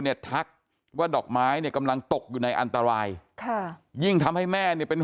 เนี่ยทักว่าดอกไม้เนี่ยกำลังตกอยู่ในอันตรายยิ่งทำให้แม่เป็น